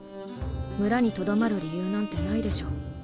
村にとどまる理由なんてないでしょ。